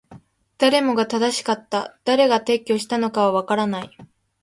誰もが正しかった。誰が撤去したのかはわからない。